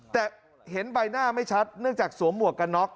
แต่เห็นใบหน้าไม่ชัดเนื่องจากสวมหมวกกันน็อก